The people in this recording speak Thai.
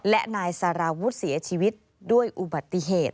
และนายสารวุฒิเสียชีวิตด้วยอุบัติเหตุ